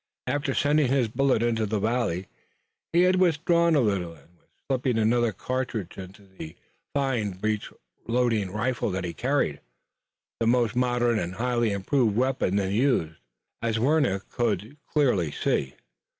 After sending his bullet into the valley he had withdrawn a little and was slipping another cartridge into the fine breech loading rifle that he carried, the most modern and highly improved weapon then used, as Warner could clearly see.